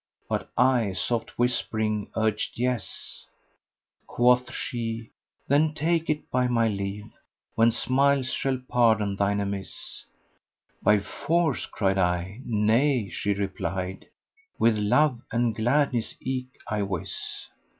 * But I, soft whispering, urged yes: Quoth she, Then take it by my leave, * When smiles shall pardon thine amiss: By force, cried I? Nay, she replied * With love and gladness eke I wis.